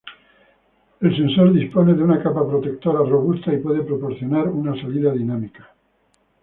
El sensor dispone de una capa protectora robusta y puede proporcionar una salida dinámica.